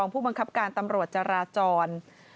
ผู้บังคับการตำรวจจราจร